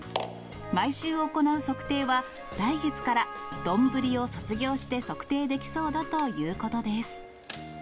毎週行う測定は、来月から丼を卒業して測定できそうだということです。